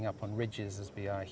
tapi lebih di bawah